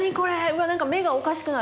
わなんか目がおかしくなる。